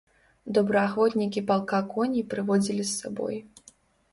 Добраахвотнікі палка коней прыводзілі з сабой.